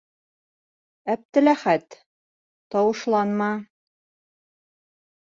Әптеләхәт... тауышланма...